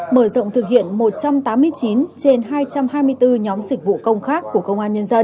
mở rộng thực hiện một trăm tám mươi chín trên hai trăm hai mươi bốn nhóm dịch vụ công khác của công an nhân dân